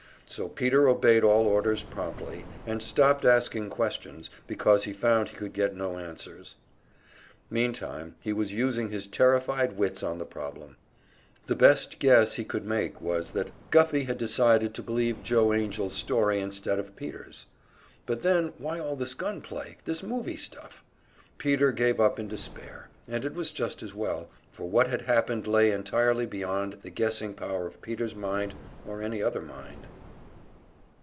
So Peter obeyed all orders promptly, and stopped asking questions because he found he could get no answers. Meantime he was using his terrified wits on the problem. The best guess he could make was that Guffey had decided to believe Joe Angell's story instead of Peter's. But then, why all this gun play, this movie stuff? Peter gave up in despair; and it was just as well, for what had happened lay entirely beyond the guessing power of Peter's mind or any other mind.